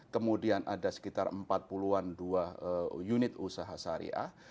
kemudian ada sekitar empat puluh an dua unit usaha syariah